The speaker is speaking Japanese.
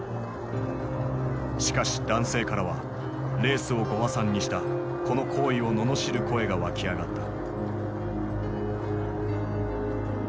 しかし男性からはレースをご破算にしたこの行為を罵る声が湧き上がった。